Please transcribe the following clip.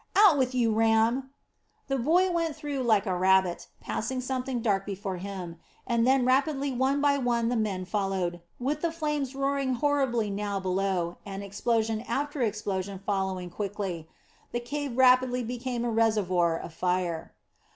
"Out with you, Ram." The boy went through like a rabbit, passing something dark before him, and then rapidly one by one the men followed, with the flames roaring horribly now below, and explosion after explosion following quickly, the cave rapidly becoming a reservoir of fire.